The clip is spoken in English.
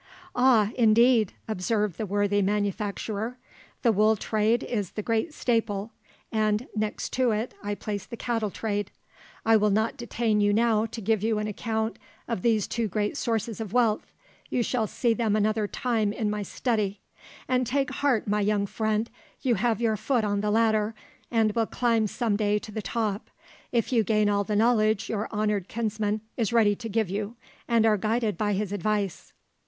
"Ah, indeed!" observed the worthy manufacturer, "the wool trade is the great staple, and next to it I place the cattle trade. I will not detain you now to give you an account of these two great sources of wealth; you shall see them another time in my study: and take heart, my young friend; you have your foot on the ladder, and will climb some day to the top, if you gain all the knowledge your honoured kinsman is ready to give you, and are guided by his advice."